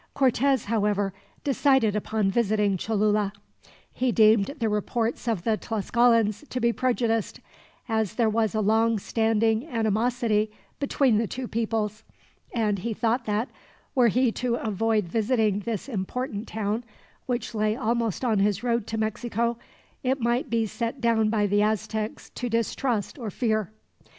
Cortez, however, decided upon visiting Cholula. He deemed the reports of the Tlascalans to be prejudiced, as there was a long standing animosity between the two peoples; and he thought that, were he to avoid visiting this important town, which lay almost on his road to Mexico, it might be set down by the Aztecs to distrust or fear.